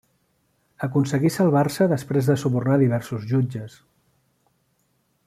Aconseguí salvar-se després de subornar diversos jutges.